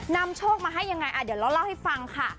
นำโชคมาให้ยังไงเดี๋ยวเราเล่าให้ฟังค่ะ